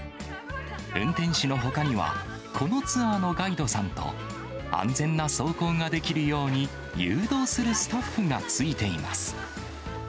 運転手のほかには、このツアーのガイドさんと、安全な走行ができるように、誘導するスタッフがついています。